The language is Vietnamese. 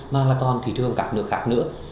mà là còn thị trường các nước khác nữa